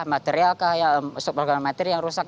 material kah program materi yang rusak